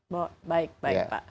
baik baik pak